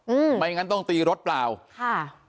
อืมไม่งั้นต้องตีรถเปล่าค่ะ